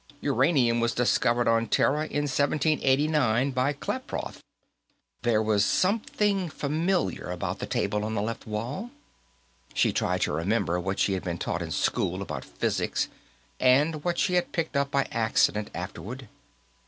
Uranium was discovered on Terra in 1789, by Klaproth." There was something familiar about the table on the left wall. She tried to remember what she had been taught in school about physics, and what she had picked up by accident afterward.